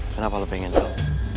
kenapa lo pengen tau